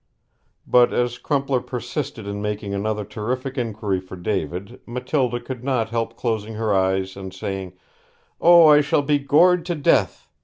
But as Crumpler persisted in making another terrific inquiry for David, Matilda could not help closing her eyes and saying, 'O, I shall be gored to death!'